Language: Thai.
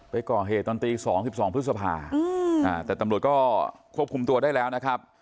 ไปก่อเหตุตอนตี๒๒พฤษภาแต่ตำรวจก็ควบคุมตัวได้แล้วนะครับ